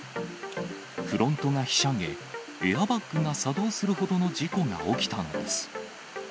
フロントがひしゃげ、エアバッグが作動するほどの事故が起きたのです。